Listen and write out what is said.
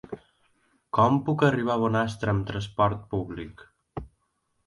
Com puc arribar a Bonastre amb trasport públic?